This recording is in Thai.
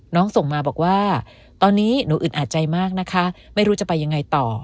ส่งมาบอกว่าตอนนี้หนูอึดอัดใจมากนะคะไม่รู้จะไปยังไงต่อ